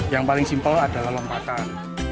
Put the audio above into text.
yang paling simpel adalah lompatan